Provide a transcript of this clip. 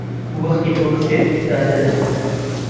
وەختی بۆ کچێک دادەنا!